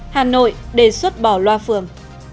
hà nội đề xuất bò loa phường